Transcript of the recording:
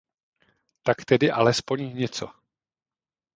Tak tedy alespoň něco.